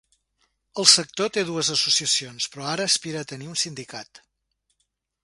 El sector té dues associacions, però ara aspira a tenir un sindicat.